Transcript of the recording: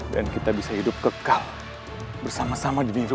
dan kita bisa hidup kekal bersama sama di rwana